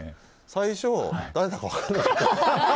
最初、誰だか分からなかった。